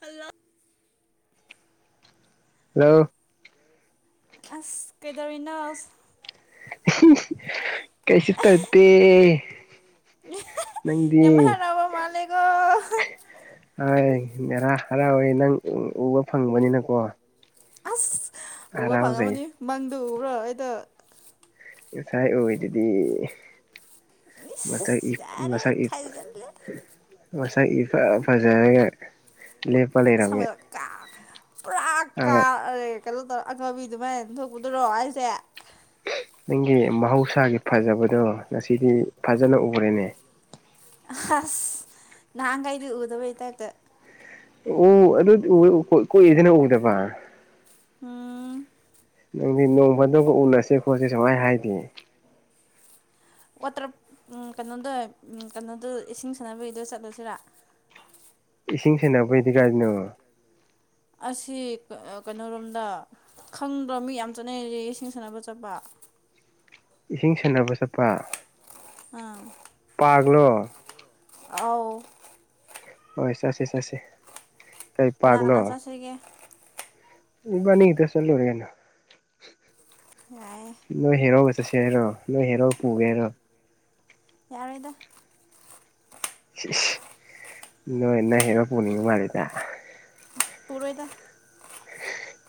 Hello hello ꯑꯁ ꯀꯩꯗꯧꯔꯤꯅꯣ ꯀꯩꯁꯨ ꯇꯧꯗꯦ ꯅꯪꯗꯤ [unintelligible] ꯕꯣ ꯃꯥꯂꯒꯣ ꯍ ꯅꯦꯔꯥ ꯍꯔꯥꯎꯋꯦ ꯅꯪ ꯎꯕ ꯐꯪꯕꯅꯤꯅꯀꯣ ꯑꯁ ꯎꯕ ꯄꯥꯉꯝꯃꯅꯤ ꯍꯔꯥꯎꯖꯩ ꯃꯪꯗꯨ ꯎꯕ꯭ꯔꯥ ꯑꯩꯗ ꯉꯁꯥꯏ ꯑꯣꯏꯗꯗꯤ ꯃꯁꯛ ꯏ ꯏꯁ ꯌꯥꯔꯦ ꯃꯁꯛ ꯏ ꯈꯥꯏꯖꯜꯂꯦ ꯃꯁꯛ ꯏꯐ ꯐꯖꯔꯒ ꯂꯦꯞꯄ [unintelligible] ꯁꯝ ꯂꯩꯔꯝꯃꯦ ꯀꯥ ꯄꯨꯔꯥ ꯀꯥ ꯑ ꯀꯩꯅꯣ ꯇꯧꯔ ꯑꯈꯕꯤ ꯑꯗꯨꯃꯥꯏꯅ ꯊꯣꯛꯣꯛꯄꯗꯨꯔꯣ ꯑꯩꯁꯦ ꯅꯪꯒꯤ ꯃꯍꯧꯁꯥꯒꯤ ꯐꯖꯕꯗꯣ ꯉꯁꯤꯗꯤ ꯐꯖꯅ ꯎꯔꯦꯅꯦ ꯑꯁ ꯅꯍꯥꯟꯈꯩꯗꯤ ꯎꯗꯕꯩ ꯇꯏ꯭ꯄꯇ ꯎ ꯑꯗꯨꯗꯤ ꯀꯣꯏꯏꯁꯤꯅ ꯎꯗꯕ ꯎꯝ ꯅꯪꯗꯤ ꯅꯣꯡꯃꯗꯒ ꯎꯅꯁꯦ ꯈꯣꯠꯁꯤ ꯁꯨꯡꯍꯥꯏ ꯍꯥꯏꯗꯤ ꯋꯥꯇꯔ ꯀꯩꯅꯣꯗꯣ ꯀꯩꯅꯣꯗꯣ ꯏꯁꯤꯡ ꯁꯥꯟꯅꯕꯒꯤꯗꯣ ꯆꯠꯂꯨꯁꯤꯔꯥ ꯏꯁꯤꯡ ꯁꯦꯟꯅꯅꯕꯩꯗꯤ ꯀꯥꯏꯗꯅꯣ ꯑꯁꯤ ꯀꯩꯅꯣꯣꯔꯣꯝꯗ ꯈꯪꯗ꯭ꯔꯣ ꯃꯤ ꯌꯥꯝ ꯆꯠꯅꯩꯁ ꯏꯁꯤꯡ ꯁꯥꯟꯅꯕ ꯆꯠꯄ ꯏꯁꯤꯡ ꯁꯅꯥꯕ ꯆꯠꯄ ꯑꯥ ꯄꯥꯒꯂꯣ ꯑꯥꯎ ꯍꯣꯏ ꯆꯠꯁꯦ ꯆꯠꯁꯦ ꯀꯩ ꯀꯅꯥ ꯀꯅꯥ ꯆꯠꯁꯤꯒꯦ ꯏꯕꯅꯤ ꯈꯛꯇꯥ ꯆꯠ ꯂꯣꯏꯔꯦ ꯀꯩꯅꯣ ꯌꯥꯌꯦ ꯅꯣꯏ ꯍꯦꯔꯧꯑꯒ ꯆꯠꯁꯦ ꯍꯥꯏꯔꯣ ꯅꯣꯏ ꯍꯦꯔꯣ ꯄꯨꯒꯦ ꯍꯥꯏꯔꯣ ꯌꯥꯔꯣꯏꯗ ꯁꯤꯁ ꯅꯣꯏꯟꯅ ꯍꯦꯔꯣ ꯄꯨꯅꯤꯡꯕꯥ ꯃꯥꯜꯂꯤꯗ ꯄꯨꯔꯣꯏꯗ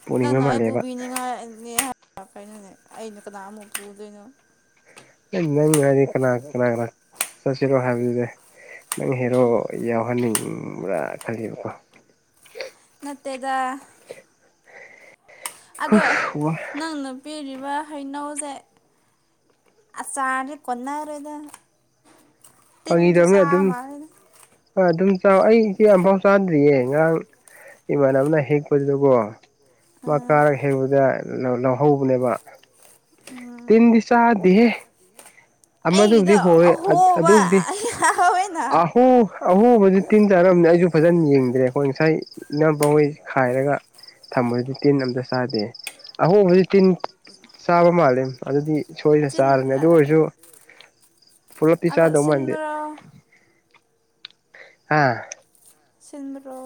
ꯄꯨꯅꯤꯡꯕ ꯅꯪꯅ ꯑꯩ ꯃꯥꯜꯂꯦꯕ ꯄꯨꯕꯤꯅꯤꯉꯥꯏꯅꯤ ꯀꯩꯅꯣꯅꯦ ꯑꯩꯅ ꯀꯅꯥꯃꯨꯛ ꯄꯨꯗꯣꯏꯅꯣ ꯅꯪ ꯍꯥꯏꯗꯤ ꯀꯅꯥ ꯀꯅꯥ ꯀꯅꯥ ꯆꯠꯁꯤꯔꯣ ꯍꯥꯏꯕꯗꯨꯗꯦ ꯅꯪ ꯍꯦꯔꯣ ꯌꯥꯎꯍꯟꯅꯤꯡꯕ꯭ꯔꯥ ꯈꯜꯂꯤꯕꯀꯣ ꯅꯠꯇꯦꯗ ꯑꯗꯣ ꯅꯪꯅ ꯄꯤꯔꯤꯕ ꯍꯩꯅꯧꯖꯦ ꯑꯆꯥꯔꯗꯤ ꯀꯣꯟꯅꯔꯣꯏꯗ ꯇꯤꯟꯁꯨ ꯆꯥ ꯃꯥꯂꯦꯗ ꯍꯣꯏ ꯑꯗꯨꯝ ꯆꯥꯎ ꯑꯩ ꯏꯆꯦ ꯑꯝꯐꯥꯎ ꯆꯥꯗ꯭ꯔꯤꯌꯦ ꯉꯔꯥꯡ ꯏꯃꯥꯟꯅꯕꯅ ꯍꯦꯛꯄꯗꯨꯗꯀꯣ ꯃꯥ ꯑꯥ ꯀꯥꯔꯒ ꯍꯦꯛꯕꯗ ꯂꯧ ꯂꯧꯍꯧꯕꯅꯦꯕ ꯎꯝ ꯇꯤꯟꯗꯤ ꯆꯥꯗꯦꯍꯦ [inaudible] ꯑꯃꯗꯨꯕꯨꯗꯤ ꯑꯩꯒꯤꯗꯣ ꯍꯣꯋꯦ ꯑꯍꯣꯕ ꯑꯗꯨꯕꯨꯗꯤ ꯌꯥꯎꯋꯦꯅ ꯑꯥ ꯍꯣ ꯑꯍꯣꯕꯖꯦ ꯇꯤꯟ ꯆꯥꯔꯝꯅꯤ ꯑꯩꯖꯨ ꯐꯖꯟ ꯌꯦꯡꯗ꯭ꯔꯦ ꯈꯣꯏ ꯉꯁꯥꯏ ꯏꯅꯝꯄꯍꯣꯏ ꯈꯥꯏꯔꯒ ꯊꯝꯕꯗꯨꯗꯤ ꯇꯤꯟ ꯑꯝꯇꯥ ꯆꯥꯗꯦ ꯑꯍꯣꯕꯖꯤ ꯇꯤꯟ ꯆꯥꯕ ꯃꯥꯜꯂꯦ ꯑꯗꯨꯗꯤ ꯁꯣꯏꯗ ꯆꯤꯟ ꯆꯥꯔꯅꯤ ꯑꯗꯨ ꯑꯣꯏꯔꯖꯨ ꯑꯗꯣ ꯃꯥꯟꯗꯦ ꯁꯤꯟꯕꯔꯣ ꯍꯥ ꯁꯤꯟꯃꯥꯔꯣ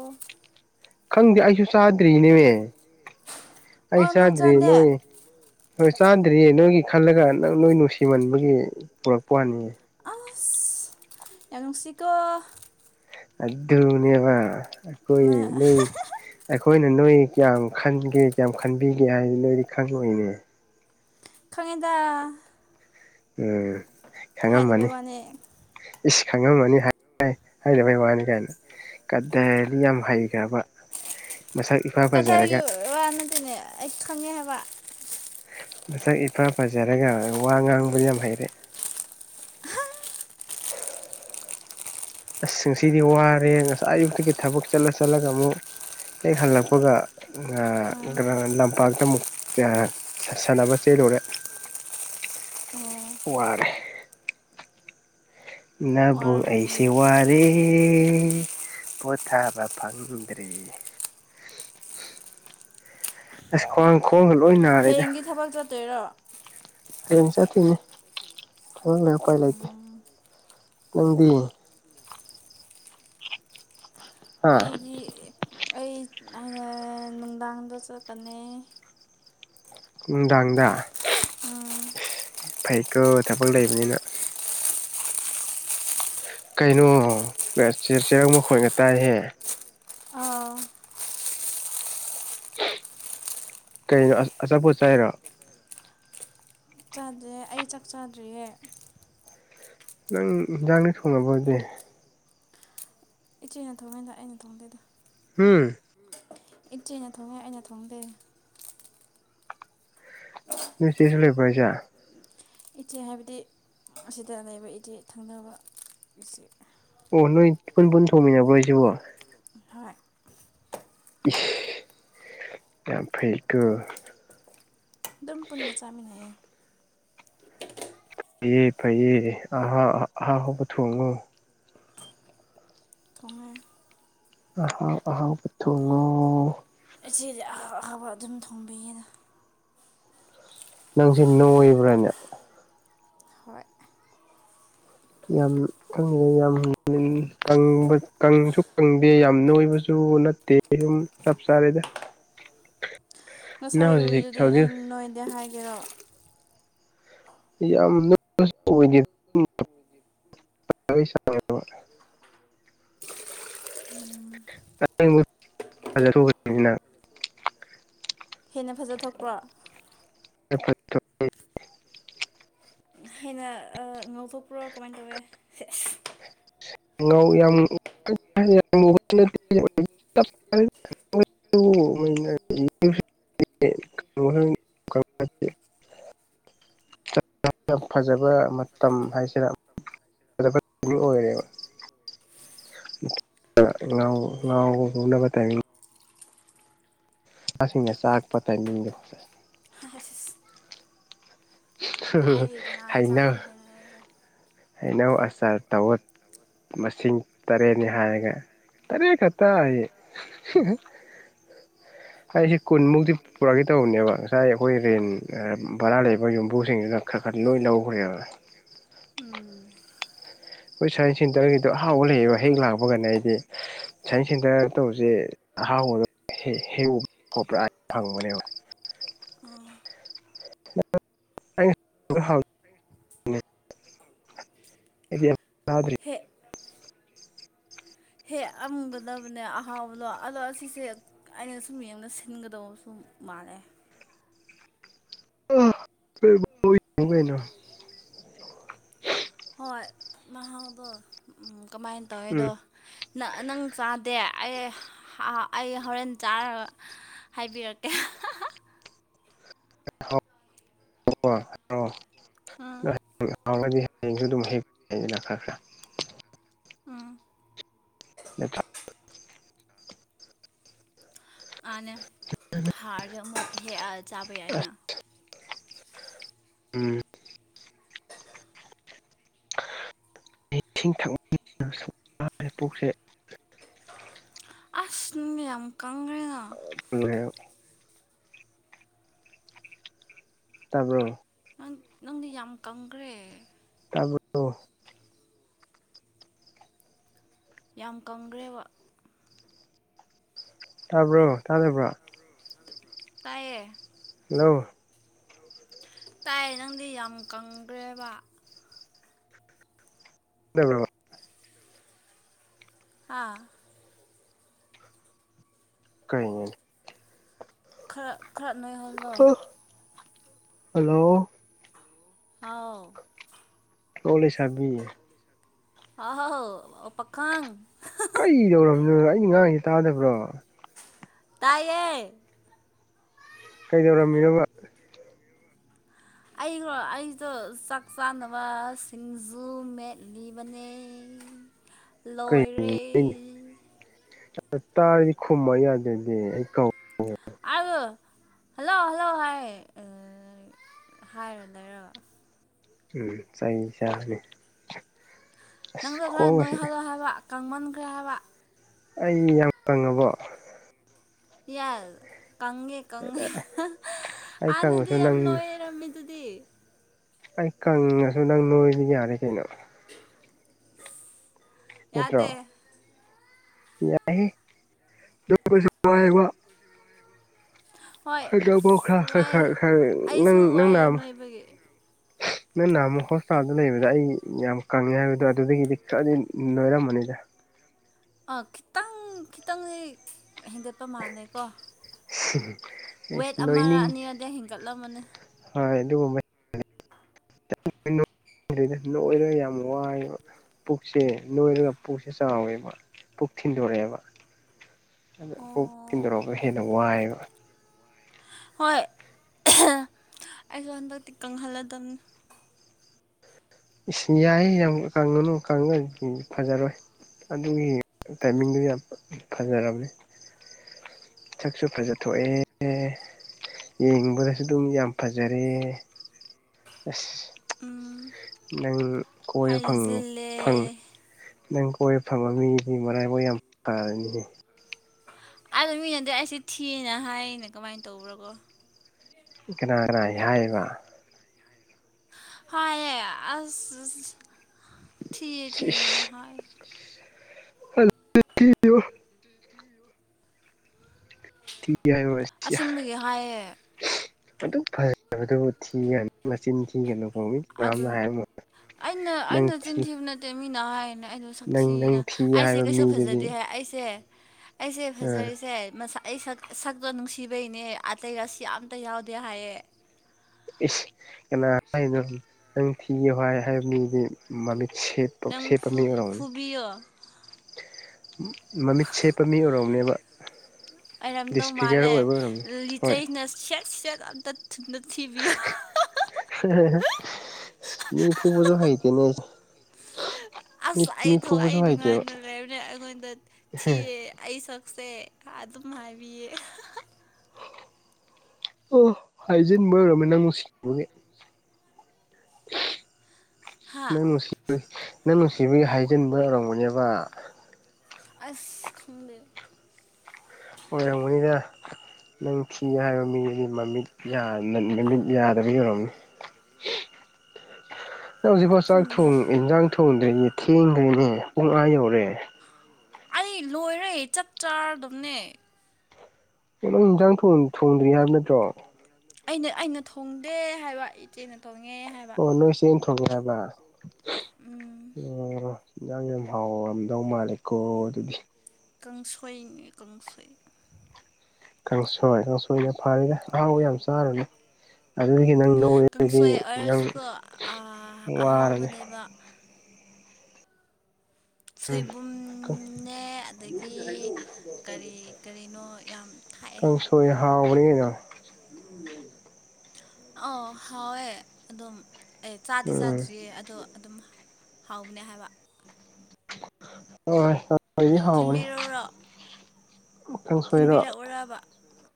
ꯈꯪꯗꯦ ꯑꯩꯁꯨ ꯆꯥꯗ꯭ꯔꯤꯅꯦꯃꯦ ꯑꯩ ꯑꯣ ꯅꯪ ꯆꯥꯗ꯭ꯔꯤ ꯆꯥꯗꯦ ꯅꯣꯏ ꯍꯣꯏ ꯆꯥꯗ꯭ꯔꯤꯌꯦ ꯅꯣꯏꯒꯤ ꯈꯜꯂꯒ ꯅꯪ ꯅꯣꯏ ꯅꯨꯡꯁꯤꯃꯟꯕꯒꯤ ꯄꯨꯔꯛꯄ ꯋꯥꯅꯤ ꯑꯁ ꯌꯝ ꯅꯨꯡꯁꯤꯀꯣ ꯑꯗꯨꯅꯦꯕ ꯑꯩꯈꯣꯏ ꯅꯣꯏ ꯑꯩꯈꯣꯏꯅ ꯅꯣꯏ ꯀꯌꯥꯝ ꯈꯟꯒꯦ ꯀꯌꯥꯝ ꯈꯟꯕꯤꯒꯦ ꯍꯥꯏꯗꯤ ꯅꯣꯏꯗꯤ ꯈꯪꯉꯣꯏꯅꯦ ꯈꯪꯉꯦꯗ ꯎꯝ ꯍꯥꯏꯗꯕꯩ ꯈꯪꯉꯝꯃꯅꯤ ꯋꯥꯅꯦ ꯏꯁ ꯈꯪꯉꯝꯃꯅꯤ ꯍꯥꯏ ꯍꯥꯏꯗꯕꯩ ꯋꯥꯅꯤ ꯀꯥꯏꯅ ꯀꯥꯗꯔꯗꯤ ꯌꯥꯝ ꯍꯩꯒ꯭ꯔꯥꯕ ꯃꯁꯛ ꯏꯐꯥ ꯀꯗꯥꯏꯒꯤ ꯐꯖꯔꯒ ꯋꯥ ꯅꯗꯤꯅꯦ ꯑꯩ ꯈꯪꯉꯦ ꯍꯥꯏꯕ ꯅꯁꯛ ꯏꯐꯥ ꯐꯖꯔꯒ ꯋꯥ ꯉꯥꯡꯕꯗꯤ ꯌꯥꯝ ꯍꯩꯔꯦ ꯑꯁ ꯉꯁꯤꯗꯤ ꯋꯥꯔꯦ ꯉꯁꯥꯏ ꯑꯌꯨꯛꯇꯒꯤ ꯊꯕꯛ ꯆꯠꯂ ꯆꯠꯂꯒ ꯑꯃꯨꯛ ꯍꯦꯛ ꯍꯜꯂꯛꯄꯒ ꯑꯥ ꯀꯅꯥꯅ ꯂꯝꯄꯥꯛꯇꯥ ꯑꯃꯨꯛ ꯁꯥꯟꯅꯕ ꯆꯦꯜꯂꯨꯔꯦ ꯋꯥꯔꯦ ꯑꯣ ꯅꯥꯕꯨꯨꯡ ꯋꯥꯔꯝꯃꯅꯤ ꯑꯩꯁꯦ ꯋꯥꯠ ꯔꯦ ꯄꯣꯊꯥꯕ ꯐꯪꯗ꯭ꯔꯦ [inaudible] ꯑꯁ ꯈ꯭ꯋꯥꯡ ꯈꯣꯡꯒ ꯂꯣꯏ ꯅꯥ ꯍꯌꯦꯡꯒꯤ ꯊꯕꯛ ꯆꯠꯇꯣꯏꯔꯣ ꯍꯌꯦꯡ ꯆꯠꯀꯤꯅꯤ ꯊꯕꯛ ꯂꯩ ꯎꯄꯥꯏ ꯂꯩꯇꯦ ꯅꯪꯗꯤ ꯍꯥ ꯑꯩꯗꯤ ꯑꯩ ꯑꯥ ꯅꯨꯡꯗꯥꯡꯗ ꯆꯠꯀꯥꯅꯤ ꯅꯨꯡꯗꯥꯡꯗ ꯎꯝ ꯐꯩꯀꯣ ꯊꯕꯛ ꯂꯩꯕꯅꯤꯅ ꯀꯩꯅꯣ ꯆꯦ ꯆꯦꯔꯪ ꯃꯈꯣꯟꯒ ꯇꯥꯏꯍꯦ ꯑꯥ [unintelligible] ꯀꯩꯅꯣ ꯑꯖ ꯑꯆꯥꯄꯣꯠ ꯆꯥꯏꯔꯣ ꯆꯥꯗꯦ ꯑꯩ ꯆꯥꯛ ꯆꯥꯗ꯭ꯔꯤꯌꯦ ꯅꯪ ꯍꯤꯟꯖꯥꯡꯗꯤ ꯊꯣꯉꯕꯗꯤ ꯏꯆꯦꯅ ꯊꯣꯡꯉꯦꯗ ꯑꯩꯅ ꯊꯣꯡꯗꯦꯗ꯫ ꯎꯝ ꯏꯆꯦꯅ ꯊꯣꯡꯉꯦ ꯑꯩꯅ ꯊꯣꯡꯗꯦ꯫ ꯅꯣꯏ ꯆꯦꯁꯨ ꯂꯩꯕ꯭ꯔ ꯖꯦ? ꯏꯆꯦ ꯍꯥꯏꯕꯗꯤ ꯑꯁꯤꯗ ꯂꯩꯕ ꯏꯆꯦ ꯊꯪꯅꯕ ꯏꯆꯦ꯫ ꯑꯣ ꯅꯣꯏ ꯄꯨꯟ ꯄꯨꯟ ꯊꯣꯡꯃꯤꯟꯅꯕ꯭ꯔꯣ ꯑꯩ ꯁꯤꯕꯣ? ꯍꯣꯏ ꯏꯁ ꯌꯥꯝ ꯐꯩꯀꯣ꯫ ꯑꯗꯨꯝ ꯄꯨꯟꯅ ꯆꯥꯃꯤꯟꯅꯩꯌꯦ꯫ ꯐꯩꯌꯦ ꯐꯩꯌꯦ ꯑꯍꯥ ꯑꯍꯥ ꯍꯥꯎꯕ ꯊꯣꯡꯉꯨ꯫ ꯊꯣꯡꯉꯦ ꯑꯍꯥꯎ ꯑꯍꯥꯎꯕ ꯊꯨꯡꯉꯣ꯫ ꯏꯆꯦꯗꯤ ꯑꯍꯥꯎ ꯑꯍꯥꯎꯕ ꯑꯗꯨꯝ ꯊꯣꯡꯕꯤꯌꯦꯅ꯫ ꯅꯪꯁꯦ ꯅꯣꯏꯕ꯭ꯔꯥꯅꯦ? ꯍꯣꯏ ꯌꯥꯝ ꯪꯗꯦ ꯌꯥꯝ ꯀꯪꯕ ꯀꯪꯁꯨ ꯀꯪꯗꯦ ꯌꯥꯝ ꯅꯣꯏꯕꯁꯨ ꯅꯠꯇꯦ꯫ ꯆꯞ ꯆꯥꯔꯦꯗ ꯉꯁꯥꯏ ꯅꯪ ꯍꯧꯖꯤꯛ ꯎꯔꯤꯗꯨꯗꯤ ꯑꯩ ꯍꯧꯖꯤꯛ ꯅꯣꯏꯗꯦ ꯍꯥꯏꯒꯦꯔꯣ ꯌꯥꯝ [unintelligible] [unintelligible] ꯍꯦꯟꯅ ꯐꯖꯊꯣꯛꯄ꯭ꯔꯣ? [unintelligible] ꯍꯦꯟꯅ ꯑꯥ ꯉꯧꯊꯣꯛꯄ꯭ꯔꯣ ꯀꯃꯥꯏꯅ ꯇꯧꯋꯦ? ꯉꯧ ꯌꯥꯝ [unintelligible] [unintelligible] [unintelligible] ꯌꯥꯝ ꯐꯖꯕ ꯃꯇꯝ ꯍꯥꯏꯁꯤꯔ ꯐꯖꯕ ꯑꯣꯏꯔꯦꯕ [unintelligible] ꯉꯥꯏ ꯉꯥꯎꯅꯕ ꯇꯥꯏ ꯁꯤꯡꯅ ꯆꯥꯛꯄ ꯇꯥꯏꯃꯤꯡꯗꯣ꯫ [unintelligible] ꯀꯥꯏꯗꯒꯤ ꯀꯅꯥꯅ ꯍꯩꯅꯧ ꯆꯥꯛꯄꯤꯗꯣꯏꯅꯣ ꯑꯩꯁꯦ ꯍꯩꯅꯧ ꯑꯆꯥꯔ ꯇꯧꯋꯦ꯫ ꯃꯁꯤꯡ ꯇꯔꯦꯠꯅꯤ ꯍꯥꯏꯔꯒ ꯇꯔꯦꯠ ꯈꯛꯇ ꯑꯌꯦ [unintelligible] ꯑꯩꯁꯤ ꯀꯨꯟꯃꯨꯛꯇꯤ ꯄꯨꯔꯛꯑꯒꯦ ꯇꯧꯕꯅꯦꯕ ꯉꯁꯥꯏ ꯑꯩꯈꯣꯏ ꯔꯦꯟ ꯚꯔꯥ ꯂꯩꯕ ꯌꯨꯝꯕꯨꯁꯤꯡ ꯅ ꯈꯔ ꯈꯔ ꯂꯣꯏ ꯂꯧꯈ꯭ꯔꯦꯑꯕ꯫ ꯎꯝ ꯈꯣꯏ ꯁꯥꯏꯟꯁ ꯁꯦꯟꯇꯔꯒꯤꯗꯣ ꯑꯍꯥꯎꯕ ꯂꯩꯌꯦꯕ ꯍꯦꯛ ꯂꯥꯛꯄ ꯀꯥꯟ ꯑꯩꯗꯤ ꯁꯥꯏꯟꯁ ꯁꯦꯟꯇꯔ ꯇꯧꯕꯁꯦ ꯑꯍꯥꯎꯕꯗ [unintelligible] ꯐꯪꯕꯅꯦꯕ [unintelligible] [unintelligible] [unintelligible] ꯍꯦꯛ ꯑꯃꯒꯗꯕꯅꯦ ꯑꯍꯥꯎꯕꯗꯣ ꯑꯗꯣ ꯑꯁꯤꯁꯦ ꯑꯩꯅ ꯁꯨꯝ ꯌꯦꯡꯕꯗ ꯁꯤꯟꯒꯗꯧꯕꯁꯨ ꯃꯥꯜꯂꯦ꯫ [unintelligible] ꯍꯣꯏ ꯅꯍꯥꯎꯗꯣ ꯀꯃꯥꯏꯅ ꯇꯧꯔꯤꯗꯣ ꯎꯝ ꯅꯪ ꯅꯪ ꯆꯥꯗꯦ ꯑꯩ ꯑꯩ ꯍꯣꯔꯦꯟ ꯆꯥꯔꯒ ꯍꯥꯏꯕꯤꯔꯛꯀꯦ [unintelligible] ꯎꯝ [unintelligible] ꯎꯝ [unintelligible] ꯑꯥꯟꯅ ꯍꯥꯔꯁ ꯑꯃꯨꯛ ꯍꯦꯛ ꯆꯥꯕ ꯌꯥꯏꯅ ꯑꯁ ꯎꯝ ꯏꯁꯤꯡ ꯊꯛ ꯑꯁ ꯅꯪ ꯌꯥꯝ ꯀꯪꯈ꯭ꯔꯦꯅ [unintelligible] ꯇꯥꯕ꯭ꯔꯣ ꯅꯪ ꯅꯪꯗꯤ ꯌꯥꯝ ꯀꯪꯈ꯭ꯔꯦ ꯇꯥꯕꯨ ꯌꯥꯝ ꯀꯪꯒ꯭ꯔꯦꯕ ꯇꯥꯕ꯭ꯔꯣ ꯇꯥꯗꯕ꯭ꯔꯣ ꯇꯌꯦ ꯍꯜꯂꯣ ꯇꯥꯏ ꯅꯪꯗꯤ ꯌꯥꯝ ꯀꯪꯒ꯭ꯔꯦꯕ [unintelligible] ꯍꯥꯥ ꯀꯩꯅ‌ꯣ ꯈꯔ ꯈꯔ ꯅꯣꯏꯍꯜꯂꯣ ꯍꯜꯂꯣ ꯍꯥꯎ ꯍ‌ꯣ ꯂꯤꯁꯕꯤ ꯍꯥꯎ ꯄꯈꯪ ꯀꯩꯗꯧꯔꯕꯝꯃꯤꯅꯣ ꯑꯩꯅ ꯉꯥꯡꯉꯥꯁꯤ ꯇꯥꯗꯕ꯭ꯔꯣ ꯇꯥꯏꯌꯦ ꯀꯩꯗꯧꯔꯝꯃꯤꯅ‌ꯣꯕ ꯑꯩꯒꯣ ꯑꯩꯗꯣ ꯆꯥꯛ ꯆꯥꯅꯕ ꯁꯤꯡꯖꯨ ꯃꯦꯠꯂꯤꯕꯅꯦ ꯂꯣꯏꯔ‌ꯦ ꯀꯩꯅꯣ ꯇꯥꯔꯗꯤ ꯈꯨꯝꯕ ꯌꯥꯗ꯭ꯔꯦꯗꯤ ꯑꯩ ꯀꯧ ꯑꯗꯨ ꯍꯜꯂꯣ ꯍꯜꯂꯣ ꯍꯥꯏ ꯍꯥꯏꯔꯣ ꯂꯩꯔꯒ ꯎꯝ ꯆꯩ ꯆꯅꯤ ꯅꯪꯗꯣ ꯅꯔ ꯅꯣꯏ ꯍꯜꯂꯛꯑꯣ ꯍꯥꯏꯕ ꯀꯥꯡꯃꯟꯈ꯭ꯔꯦ ꯍꯥꯏꯕ ꯑꯩ ꯌꯥꯝ ꯀꯪꯉꯕꯣ ꯌꯥꯁ ꯀꯪꯉꯦ ꯀꯪꯉꯦ ꯑꯩ ꯍꯥꯟꯅꯗꯤ ꯀꯪꯉꯁꯨ ꯌꯥꯝ ꯅꯪ ꯂꯣꯏꯔꯝꯃꯤ ꯗꯨꯗꯤ ꯑꯩ ꯀꯪꯉꯁꯨ ꯅꯪ ꯅꯣꯏꯗꯤ ꯌꯥꯔꯦ ꯀꯩꯅꯣ ꯅꯠꯇ꯭ꯔꯣ ꯌꯥꯗꯦ [unintelligible] [unintelligible] ꯍꯣꯏ ꯑꯁ ꯋꯥꯏꯌꯦ ꯑꯩꯁꯨ ꯅꯪ ꯋꯥꯏꯌꯦ ꯅꯣꯏꯕꯒꯤ ꯅꯍꯥꯟꯃ‌ꯣꯛ ꯍ‌ꯣꯁꯄꯤꯇꯥꯜ ꯂꯩꯕꯗ ꯑꯩ ꯌꯥꯝ ꯀꯪꯉꯦ ꯍꯥꯏꯕꯗꯣ ꯑꯗꯨꯗꯒꯤꯗꯤ ꯈꯔꯗꯤ ꯅꯣꯏꯔꯝꯕꯅꯤꯗ ꯑꯥ ꯈꯤꯇꯪ ꯈꯤꯇꯪꯗꯤ ꯍꯦꯟꯒꯠꯄ ꯃꯥꯜꯂꯦ ꯀꯣ [unintelligible] ꯋꯦꯠ ꯑꯃꯔ ꯑꯅꯤꯔꯗꯤ ꯍꯦꯟꯒꯠꯂꯝꯃꯅꯤ ꯍ‌ꯣꯏ ꯑꯗꯨꯒꯨꯝꯕ ꯅꯣꯏꯔ ꯌꯥꯝ ꯋꯥꯏꯑꯦꯕ ꯄꯨꯛꯁꯦ ꯅꯣꯏꯔꯒ ꯄꯨꯛꯁꯦ ꯆꯥꯎꯋꯦꯕ ꯄꯨꯛ ꯊꯤꯟꯗꯣꯔꯛꯑꯦꯕ ꯑꯗ ꯄꯨꯣꯛ ꯑꯣ ꯊꯤꯟꯗꯣꯔꯛꯄ ꯍꯦꯟꯅ ꯋꯥꯏꯑꯦꯕ ꯍꯣꯏ ꯑꯩꯁꯨ ꯍꯟꯗꯛꯇꯤ ꯀꯪꯍꯜꯂꯗꯕꯅꯤ ꯏꯁ ꯌꯥꯏ ꯌꯥꯝ ꯀꯪꯉꯅꯨ ꯀꯪꯉ ꯐꯖꯔꯣꯏ ꯑꯗꯨꯒꯤ ꯇꯥꯏꯃꯤꯡꯗꯨ ꯌꯥꯝ ꯐꯖꯔꯕꯅꯦ ꯁꯛꯁꯨ ꯐꯖ ꯊꯣꯛꯑꯦ ꯌꯦꯡꯕꯗꯁꯨ ꯑꯗꯨꯝ ꯌꯥꯝ ꯐꯖꯔꯦ ꯑꯁ ꯎꯝ ꯅꯪ ꯀꯣꯏꯕ ꯐꯪ ꯍꯥꯏꯖꯤꯜꯂꯦ ꯐꯪ ꯅꯪ ꯀꯣꯏꯕ ꯐꯪꯕ ꯃꯤꯗꯤ ꯃꯔꯥꯏꯕꯣꯛ ꯌꯥꯝꯅ ꯐꯔꯅꯤ ꯑꯗꯣ ꯃꯤꯅꯗꯤ ꯑꯩꯁꯦ ꯊꯤꯅ ꯍꯥꯏꯌ‌ꯦꯅ‌ꯦ ꯀꯃꯥꯏꯅ ꯇꯧꯕ꯭ꯔ‌ꯣ ꯀ‌ꯣ ꯀꯅꯥ ꯀꯅꯥ ꯍꯥꯏꯕ ꯍꯥꯏꯌ‌ꯦ ꯑꯁ ꯊꯤꯌ‌ꯦ ꯊꯤꯌ‌ꯦ ꯅ ꯍꯥꯏ [unintelligible] ꯊꯤ ꯍꯥꯏꯕ ꯑꯁꯦꯡꯕꯒꯤ ꯍꯥꯏꯌꯦ ꯑꯗꯨꯛ ꯐꯖꯕꯗꯨꯕꯨ ꯊꯤꯒꯅꯤ ꯃꯆꯤꯟ ꯊꯤꯒꯅꯨ ꯐꯥꯎꯋ ꯑꯗꯨ ꯃꯔꯝꯅ ꯍꯥꯏꯔꯝꯃ ꯑꯩꯅ ꯑꯩꯅ ꯆꯤꯟꯊꯤꯕ ꯅꯠꯇꯦ ꯃꯤꯅ ꯍꯥꯏꯔꯤꯅ ꯑꯩꯗꯣ ꯅꯪ ꯁꯛꯊꯤꯌ‌ꯦꯅ ꯅꯪ ꯊꯤ ꯑꯩꯁꯦ ꯍꯥꯏꯕ ꯀꯩꯁꯨ ꯐꯖꯗꯦ ꯃꯤꯗꯨꯗꯤ ꯍꯥꯏ ꯑꯩꯁꯦ ꯑꯩꯁꯦ ꯑꯥ ꯐꯖꯔꯤꯁꯦ ꯑꯩ ꯁꯛ ꯁꯛꯇꯣ ꯅꯨꯡꯁꯤꯕꯩꯅꯦ ꯑꯇꯩ ꯔꯥꯁꯤ ꯀ‌ꯦꯝꯇ ꯌꯥꯎꯗꯦ ꯍꯥꯏꯌꯦ ꯀꯅꯥ ꯍꯥꯏꯅꯣ ꯅꯪ ꯊꯤꯌ‌ꯦ ꯍꯥꯏ ꯃꯤꯗꯤ ꯃꯃꯤꯠ ꯁꯦꯞ ꯅꯪ ꯁꯦꯠꯄ ꯐꯨ ꯃꯤ ꯑꯣꯏꯔꯝꯅꯤ ꯐꯨꯕꯤꯌꯣ ꯃꯃꯤꯠ ꯁꯦꯞꯄ ꯃꯤ ꯑꯣꯏꯔꯝꯅꯦꯕ ꯑꯣꯏꯔꯝꯗꯧ ꯗꯤꯁꯐꯤꯒꯔ ꯃꯥꯜꯂꯦ ꯑꯣꯏꯕ ꯑꯣꯏꯔꯝꯅꯤ ꯍꯣꯏ ꯂꯤꯆꯩꯅ ꯁꯦꯠ ꯁꯦꯠ ꯑꯝꯇ ꯊꯨꯟꯗ ꯊꯤꯕꯤꯌ‌ꯣ ꯃꯤ ꯐꯨꯕꯖꯨ ꯍꯥꯏꯇ‌ꯦꯅꯦ ꯑꯁ ꯑꯩ ꯊꯋꯥꯏ ꯐꯨꯕꯁꯨ ꯍꯩꯇꯦꯕ ꯅꯨꯡꯉꯥꯏꯅ ꯂꯩꯕꯅ‌ꯦ ꯑꯩꯉꯣꯟꯗ ꯊꯤꯌ‌ꯦ ꯑꯩ ꯁꯛꯁꯦ ꯑꯗꯨꯝ ꯍꯥꯏꯕꯤꯌꯦ ꯑꯣ ꯍꯥꯏꯖꯤꯟꯕ ꯑꯣꯏꯔꯝꯅꯤ ꯅꯪ ꯅꯨꯡꯁꯤꯕꯒꯤ ꯍꯥ ꯅꯪ ꯅꯨꯡꯁꯤꯕ ꯅꯪ ꯅꯨꯡꯁꯤꯕꯒꯤ ꯍꯥꯏꯖꯤꯟꯕ ꯑꯣꯏꯔꯝꯒꯅꯦꯕ ꯑꯁ ꯈꯪꯗꯦ ꯑꯣꯏꯔꯝꯒꯅꯤꯗ ꯅꯪ ꯊꯤ ꯍꯥꯏꯕ ꯃꯤꯗꯨꯒꯤ ꯃꯃꯤꯠ ꯃꯃꯤꯠ ꯌꯥꯗꯕꯒꯤ ꯑꯣꯏꯔꯝꯅꯤ ꯍꯧꯖꯤꯛꯐꯥꯎ ꯆꯥꯛ ꯈꯪꯗꯦꯗ ꯊꯣꯡ ꯌꯦꯟꯖꯥꯡ ꯊꯦꯡꯗ꯭ꯔꯤꯅꯦ ꯄꯨꯡ ꯑꯥ ꯌꯧꯔꯑꯦ ꯑꯩ ꯂꯣꯏꯔꯦ ꯆꯞ ꯆꯥꯔꯗꯕꯅꯦ ꯀ ꯅꯪ ꯏꯟꯁꯥꯡ ꯊꯣꯡꯗ꯭ꯔꯤ ꯍꯥꯏꯕ ꯅꯠꯇ꯭ꯔꯣ ꯑꯩꯅ ꯑꯩꯅ ꯊꯣꯡꯗꯦ ꯍꯥꯏꯕ ꯏꯆꯦꯅ ꯊꯣꯡꯉꯦ ꯍꯥꯏꯕ ꯑꯣ ꯅꯣꯏ ꯆ‌ꯦꯅ ꯊꯣꯛꯉ‌ꯦ ꯍꯥꯏꯕ ꯎꯝ ꯑꯣ ꯏꯟꯖꯥꯡ ꯌꯥꯝ ꯍꯥꯎꯔꯝꯗꯧ ꯃꯥꯜꯂꯦꯀꯣ ꯑꯗꯨꯗꯤ ꯀꯪꯁꯣꯏꯅꯤ ꯀꯪꯁꯣꯏ ꯀꯥꯡꯁꯣꯏ ꯀꯥꯡꯁꯣꯏ ꯅ ꯐꯔꯦꯗ ꯑꯍꯥꯎꯕ ꯌꯥꯝ ꯆꯥꯔꯨꯅꯨ ꯑꯗꯨꯗꯒꯤ ꯅꯪ ꯅꯣꯏꯔꯗꯤ ꯀꯥꯡꯁꯣꯏ ꯅꯪ ꯑꯣꯏꯔꯁꯨꯀꯣ ꯋꯥꯔꯅꯤ ꯋꯥ ꯎꯝ ꯁꯣꯏꯕꯨꯝꯅꯦ ꯑꯗꯒꯤ ꯀꯔꯤ ꯀꯔꯤꯅꯣ ꯌꯥꯝ ꯊꯥꯛꯑꯦ ꯍ ꯍꯥꯎꯕꯅꯤ ꯌꯥ ꯑ ꯍꯥꯎꯋꯦ ꯑꯗꯨꯝ ꯑꯦ ꯆꯥꯗꯤ ꯎꯝ ꯆꯥꯗ꯭ꯔꯤꯌꯦ ꯑꯗꯣ ꯑꯗꯨꯝ ꯍꯥꯎꯕꯅꯦ ꯍꯥꯏꯕ ꯍꯣꯏ ꯀꯥꯡꯁꯣꯏꯗꯤ ꯍꯥꯎꯕꯅꯤ ꯊꯤꯟꯕꯤꯔꯛꯎꯔꯣ ꯀꯥꯡꯁꯣꯏꯔꯣ ꯊꯤꯟꯕꯤꯔꯛꯎꯔꯕ